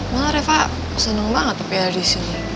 malah reva seneng banget tapi ada di sini